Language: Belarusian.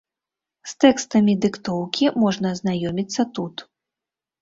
З тэкстамі дыктоўкі можна азнаёміцца тут.